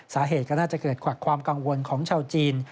สาเหตุก็น่าจะเกิดจากความกังวลของชาวจีน